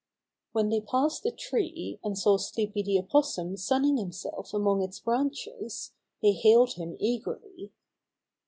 When they passed a tree, and saw Sleepy the Opossum sunning himself among its branches, they hailed him eagerly.